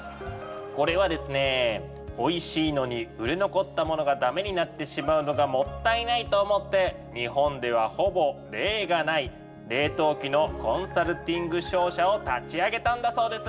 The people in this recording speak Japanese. これはですねおいしいのに売れ残ったものがダメになってしまうのがもったいないと思って日本ではほぼ例がない「冷凍機のコンサルティング商社」を立ち上げたんだそうです。